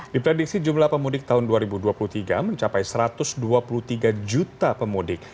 diprediksi jumlah pemudik tahun dua ribu dua puluh tiga mencapai satu ratus dua puluh tiga juta pemudik